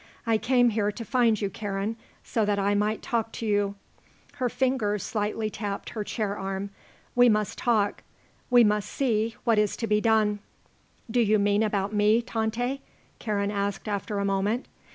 I came here to find you, Karen, so that I might talk to you." Her fingers slightly tapped her chair arm. "We must talk. We must see what is to be done." "Do you mean about me, Tante?" Karen asked after a moment.